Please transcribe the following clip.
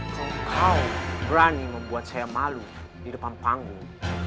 kau berani membuat saya malu di depan panggung